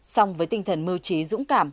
xong với tinh thần mưu trí dũng cảm